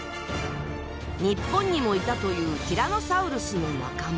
日本にもいたというティラノサウルスの仲間。